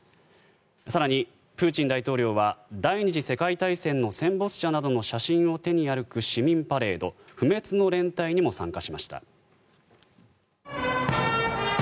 更にプーチン大統領は第２次世界大戦の戦没者などの写真を手に歩く市民パレード不滅の連隊にも参加しました。